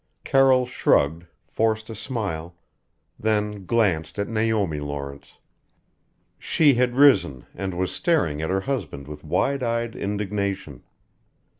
Carroll shrugged, forced a smile then glanced at Naomi Lawrence. She had risen and was staring at her husband with wide eyed indignation.